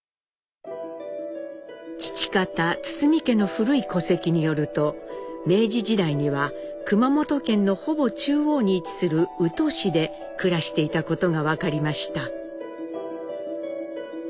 父方堤家の古い戸籍によると明治時代には熊本県のほぼ中央に位置する宇土市で暮らしていたことが分かりました。